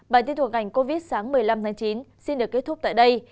bản tin thuộc ảnh covid một mươi chín sáng một mươi năm chín xin được kết thúc tại đây